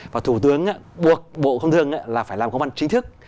và thủ tướng buộc bộ công thương là phải làm công văn chính thức